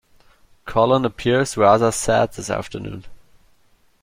Colin appears rather sad this afternoon